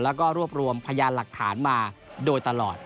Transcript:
แล้วก็รวบรวมพยานหลักฐานมาโดยตลอด